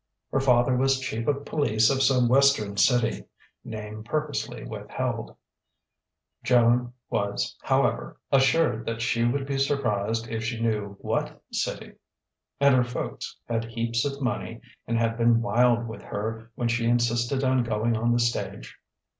Her father was Chief of Police of some Western city (name purposely withheld: Joan was, however, assured that she would be surprised if she knew what city) and her folks had heaps of money and had been wild with her when she insisted on going on the stage.